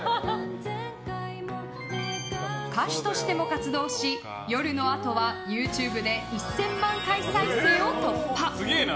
歌手としても活動し「よるのあと」はＹｏｕＴｕｂｅで１０００万回再生を突破！